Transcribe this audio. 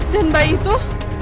dan bayi itu